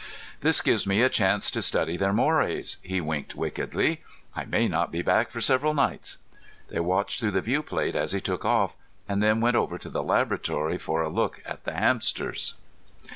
"This gives me a chance to study their mores." He winked wickedly. "I may not be back for several nights." They watched through the viewplate as he took off, and then went over to the laboratory for a look at the hamsters.